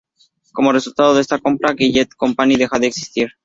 Como resultado de esta compra, Gillette Company deja de existir.